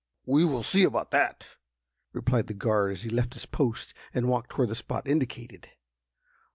"We will see about that!" replied the guard, as he left his post, and walked toward the spot indicated.